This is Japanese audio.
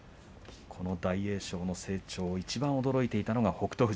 この大栄翔の成長をいちばん驚いていたのが北勝